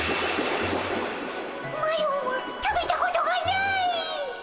マロは食べたことがない！